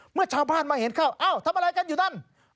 เมื่อชาวบ้านมาเห็นเข้าอ้าวทำอะไรกันอยู่นั่น